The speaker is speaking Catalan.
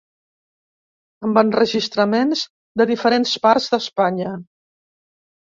Amb enregistraments de diferents parts d'Espanya.